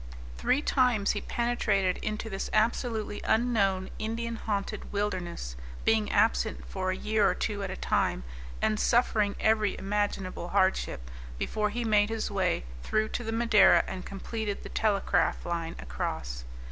Three times he penetrated into this absolutely unknown, Indian haunted wilderness, being absent for a year or two at a time and suffering every imaginable hardship, before he made his way through to the Madeira and completed the telegraph line across.